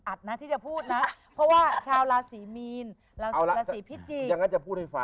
ไม่เอาบาทก็ยักษ์จะพูดนะเพราะว่าชาวราศรีมีนราศรีพิจจิ